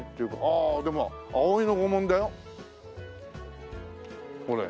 ああでも葵の御紋だよこれ。